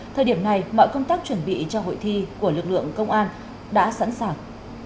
thời điểm này mọi công tác chuẩn bị cho hội thi của lực lượng công an đã sẵn sàng